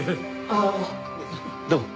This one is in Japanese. ああどうも。